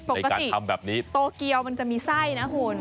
ปกติทำแบบนี้โตเกียวมันจะมีไส้นะคุณ